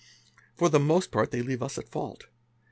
For the — most part they leave us at fault.